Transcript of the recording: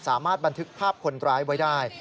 สามารถบันทึกภาพคนร้ายไว้ได้